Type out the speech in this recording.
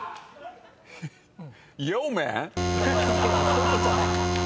そういうことじゃない。